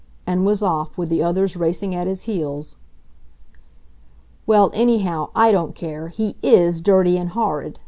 and was off, with the others racing at his heels. "Well, anyhow, I don't care; he IS dirty and horrid!"